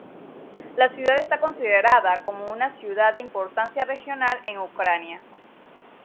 La ciudad es considerada como una ciudad de importancia regional en Ucrania.